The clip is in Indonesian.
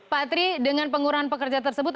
patri dengan pengurangan pekerja tersebut